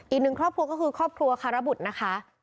อีกหนึ่งครอบครัวก็คือครอบครัวคารบุตรนะคะ